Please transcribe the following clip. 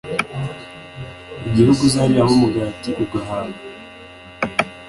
igihugu uzariramo umugati ugahaga,